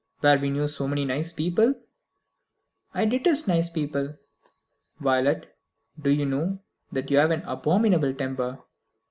"Where we knew so many nice people " "I detest nice people!" "Violet, do you know that you have an abominable temper?"